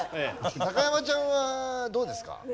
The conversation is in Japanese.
高山ちゃんはどうですか？